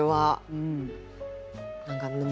うん。